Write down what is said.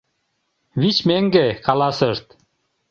— Вич меҥге, — каласышт.